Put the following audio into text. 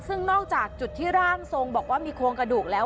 ซึ่งนอกจากจุดที่ร่างทรงบอกว่ามีโครงกระดูกแล้ว